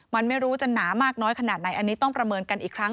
มันไม่รู้จะหนามากน้อยขนาดไหนอันนี้ต้องประเมินกันอีกครั้ง